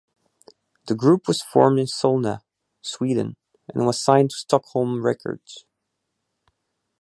The group was formed in Solna, Sweden and was signed to Stockholm Records.